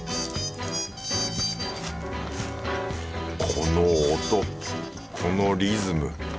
この音このリズム。